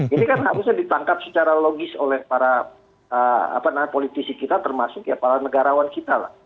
ini kan harusnya ditangkap secara logis oleh para politisi kita termasuk ya para negarawan kita lah